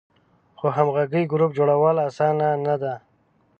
خو همغږی ګروپ جوړول آسانه نه ده.